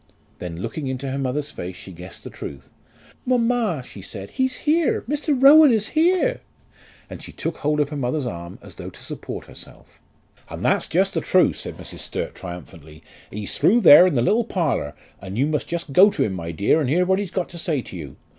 Then looking into her mother's face, she guessed the truth. "Mamma," she said, "he's here! Mr. Rowan is here!" And she took hold of her mother's arm, as though to support herself. "And that's just the truth," said Mrs. Sturt, triumphantly. "He's through there in the little parlour, and you must just go to him, my dear, and hear what he's got to say to you."